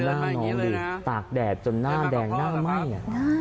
ตากแดดจนหน้าแดงหน้าไหม้